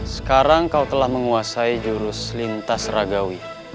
sekarang kau telah menguasai jurus lintas ragawi